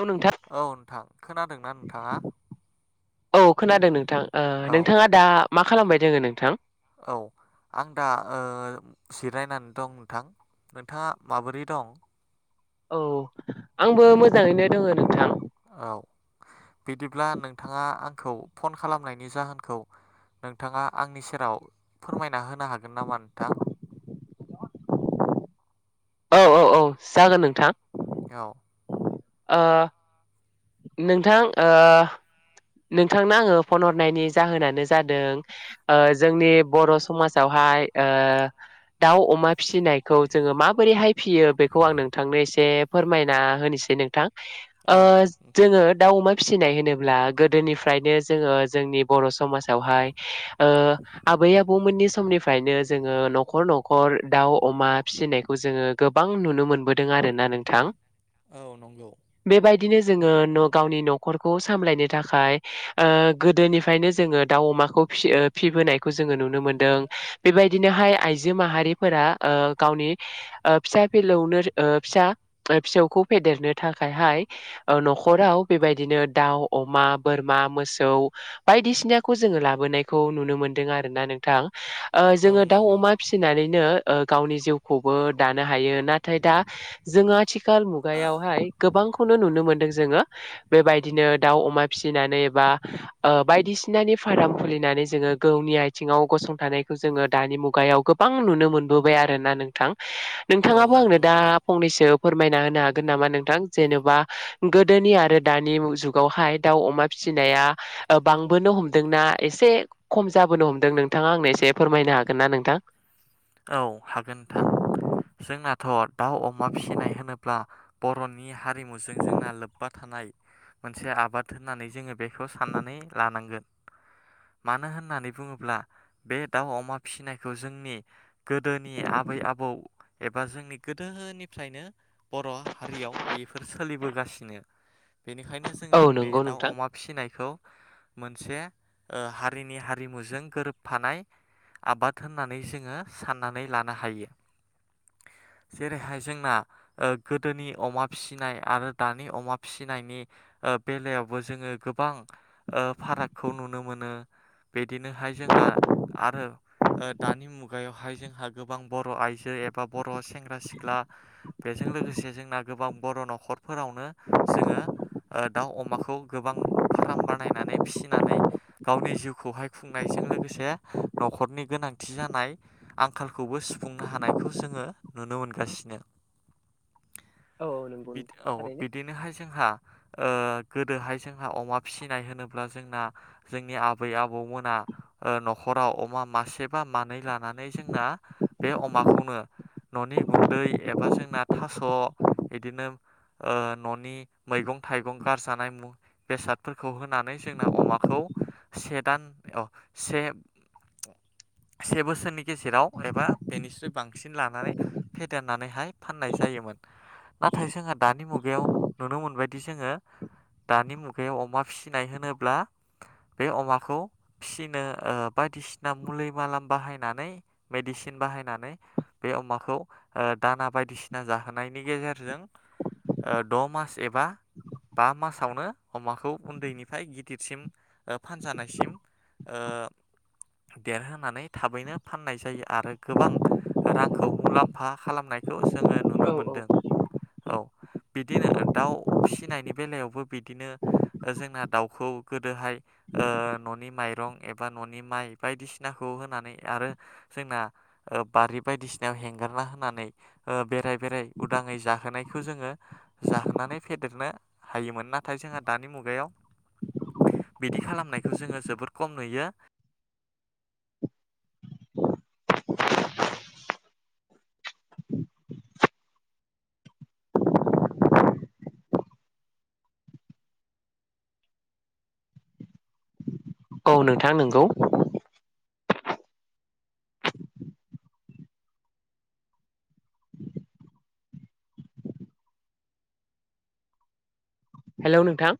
औ नोंथां औ नोंथां खोनादोंना नोंथाङा? औ खोनादों नोंथां। ओ औ नोंथाङा दा मा खालामबाय दोङो नोंथां? औ। आं दा ओ जिरायनानै दं नोंथां। नोंथाङा माबोरै दं? औ आंबो मोजाङैनो दङ नोंथां। औ बिदिब्ला नोंथाङा आंखौ फन खालामनायनि जाहोनखौ नोंथाङा आंनि सेराव फोरमायना होनो हागोन नामा नोंथां? औ औ औ जागोन नोंथां। औ। ओ नोंथां ओ नोंथांनो आङो फन हरनायनि जाहोनानो जादों ओ जोंनि बर' समाजावहा [unintelligible] ओ दाउ अमा फिसिनायखौ जोङो माबोरैहाय फियो बेखौ आं नोंथांनो एसे फोरमायना होनोसै नों ओ औ नोंथां जोङो दाउ अमा फिसिनाय होनोब्ला गोदोनिफ्रायनो जोङो जोंनि बर' समाजावहाय ओ आ बै आबौमोननि समनिफ्रायनो जोङो न'खर न'खर दाउ अमा फिसिनायखौ जोङो गोबां नुनो मोनबोदों आरोना नोंथां औ नंगौ बेबाय दिनो जोङो न गावनि न'खौ सामलायनो थाखाय ओ गोदोनिफ्रायनो जोङो दाउ अमा फि ओ फिबोनायखौ जोङो नुनो मोनदों। बेबायदिनोहाय आइजो माहारिफोरा ओ गावनि ओ फिसा बिलौनो ओ फिसा ओ फिसौखौ फेदेर नो थाखायहाय ओ न'खराव बेबायदिनो दाउ, अमा, बोरमा, मोसौ बायदिसिनाखौ जोङो लाबोनायखौ नुनो मोनदों आरोना नोंथां? ओ औ जोङो दाउ नंगौ अमा फिसिनानैनो ओ गावनि जिउखौबो दानो हायो नाथाय दा जोङो आथिखाल मुगायावहाय गोबांखौनो नुनो मोनदों जोङो बेबायदिनो दाउ अमा फिसिनानै एबा ओ बायदिसिनानि फार्म खुलिनानै जोङो गावनि आथिङाव गसंथानायखौ जोङो दानि मुगायाव गोबां नुनो मोनबोबाय आरोना नोंथां। औ नोंथाङाबो आंनो नंगौ दा नोंथां फंनैसो फोरमायना होनो हागोन नामा नोंथां जेनेबा गोदोनि आरो दानि जुगावहाय दाउ अमा फिसिनाया बांबोनो हमदोंना एसे खम जाबोनो हमदों नोंथाङा आंनो एसे फोरमायनो हागोनना नोंथां? औ हागोन थां। जोंनाथ' दाउ अमा फिसिनाय होनोब्ला बर'नि हारिमुजों जोंना लोब्बा था नाय मोनसे आबाद होननानै जोङो बेखौ साननानै लानांगोन। मानो होननानै बुङोब्ला बे दाउ अमा फिसिनायखौ जोंनि गोदोनि आबै आबौ एबा जोंनि गोदोनिफ्रायनो बर' हारियाव बेफोर सोलिबोगासिनो बेनिखायनो औ जोङो बे नंगौ दाउ नोंथां अमा फिसिनायखौ मोनसे ओ हारिनि हारिमुजों गोरोबफानाय आबाद होननानै जोङो साननानै लानो हायो। [unintelligible] जेरैहाय जोंना ओ गोदोनि अमा फिसिनाय आरो दानि अमा फिसिनायनि ओ बेलायावबो जोङो गोबां ओ फारागखौ नुनो मोनो। बिदिनोहाय जोंहा आरो ओ दानि मुग गायावहाय जोंहा गोबां बर' आइजो एबा बर' सेंग्रा सिख्ला बेजों लोगोसे जोंना गो गोबां बर' न'खर फोरावनो जोङो ओ दाउ अमाखौ गोबां फार्म बानायनानै फिसिनानै गावनि जिउखौहाय खुंनायजों लोगोसे न'खरनि गोनांथि जानाय आंखालखौबो सुफुंनो हानायखौ जोङो नुनो मोनगासिनो औ बिद औ बिदिनोहाय जोंहा ओ गोदोहाय जोंहा अमा फिसिनाय होनोब्ला जोंना जोंनि आबै आबौमोना ओ न'खराव अमा मासे बा मानै लानानै जोंना बे अमाखौनो न'नि गुन्दै एबा जोंना थास' इदिनो ओ न'नि मैगं थाइगं गारजानाय मु बेसादफोरखौ होनानै जोंना अमाखौ से दान अ से से बोसोरनि गेजेराव एबा बेनिसुय बांसिन लानानै फेदेरनानैहाय फाननाय जायोमोन नाथाय जोंहा दानि मुगायाव नुनो मोनबायदि जोङो दानि मुगायाव अमा फिसिनाय होनोब्ला बे अमाखौ फिसिनो ओ बाय बायदिसिना मुलि मालाम बाहायनानै मेडिसिन बाहायनानै बे अमाखौ ओ दाना बायदिसिना जाहोनायनि गेजेरजों ओ दड' मस एबा बा मासावनो अमाखौ उन्दैनिफ्राय गिदिरसिम ओ फानजानायसिम ओ देरहोनानै थाबैनो फाननाय जायो आरो गोबां रांखौ मुलाम्फा खालामनायखौ जोङो नुनो मोनदों औ औ बिदिनो दाउ फिसिनायनि बेलायावबो बिदिनो जोंना दाउखौ गोदोहाय ओ न'नि माइरं एबा न'नि माइ बायदिसिनाखौ होनानै आरो जोंना ओ बारि बायदिसिनायाव हेंगारना होनानै हो बेराय बेराय उदाङै जा जाहोनायखौ जोङो जाहोनानै फेदेरनो हायोमोन नाथाय जोंहा दानि मुगायाव बिदि खालामनायखौ जोङो जोबोर खम नुयो [unintelligible] औ नोंथां नंगौ हेल' नोंथां